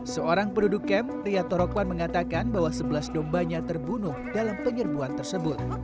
seorang penduduk kem ria torokwan mengatakan bahwa sebelas dombanya terbunuh dalam penyerbuan tersebut